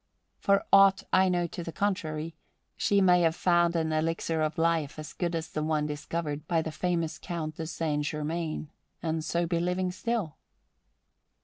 For aught I know to the contrary, she may have found an elixir of life as good as the one discovered by the famous Count de Saint Germain, and so be living still.